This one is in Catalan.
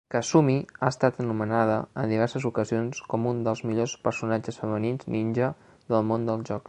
Kasumi ha estat anomenada en diverses ocasions com un dels millors personatges femenins ninja del món dels jocs.